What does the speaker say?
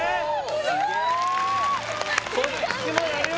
すごーい